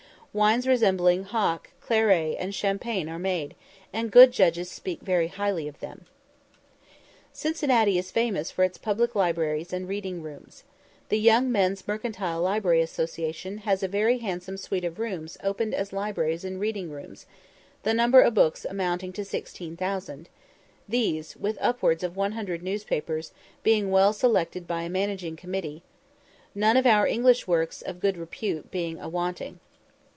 Wines resembling hock, claret, and champagne are made, and good judges speak very highly of them. Cincinnati is famous for its public libraries and reading rooms. The Young Men's Mercantile Library Association has a very handsome suite of rooms opened as libraries and reading rooms, the number of books amounting to 16,000, these, with upwards of 100 newspapers, being well selected by a managing committee; none of our English works of good repute being a wanting.